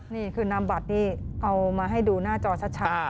นี่คือนามบัตรนี่เอามาให้ดูหน้าจอชัด